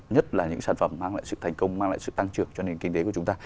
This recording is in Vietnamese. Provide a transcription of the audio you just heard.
nhất là những sản phẩm mang lại sự thành công mang lại sự tăng trưởng cho nền kinh tế của chúng ta